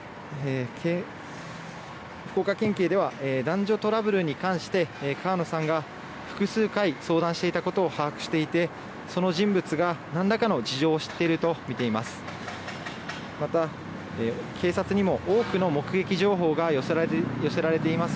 福岡県警では男女トラブルに関して川野さんが、複数回相談していたことを把握していてその人物がなんらかの事情を知っているとみています。